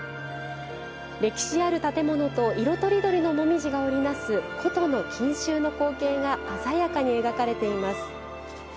歴史ある建物と色とりどりの紅葉が織り成す古都の錦秋の光景が鮮やかに描かれています。